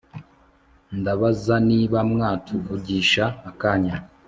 Ndabaza niba mwatuvugisha akanya